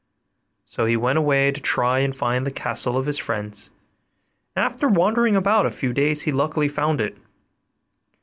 So he went away to try and find the castle of his friends; and after wandering about a few days he luckily found it.